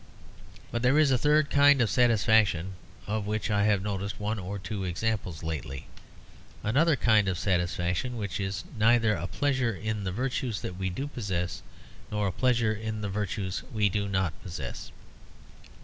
But there is a third kind of satisfaction of which I have noticed one or two examples lately another kind of satisfaction which is neither a pleasure in the virtues that we do possess nor a pleasure in the virtues we do not possess.